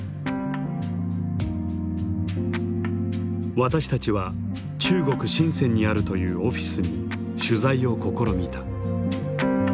私たちは中国・深にあるというオフィスに取材を試みた。